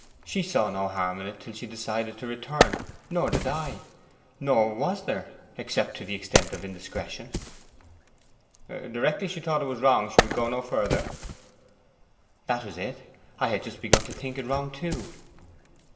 She saw no harm in it until she decided to return, nor did I; nor was there, except to the extent of indiscretion.' 'Directly she thought it was wrong she would go no further?' 'That was it. I had just begun to think it wrong too.